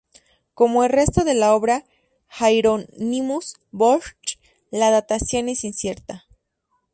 Como el resto de la obra de Hieronymus Bosch, la datación es incierta.